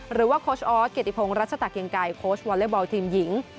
หรือว่าโคชออสเกียรติภงรัชตะเกียงไกลโคชวอลเลอร์บอลทีมหญิง